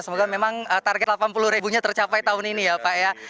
semoga memang target delapan puluh ribunya tercapai tahun ini ya pak ya